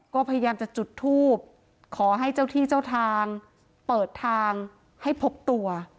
ก็พยายามจะจุดทูบขอให้เจ้าที่เจ้าทางเปิดทางให้พบตัว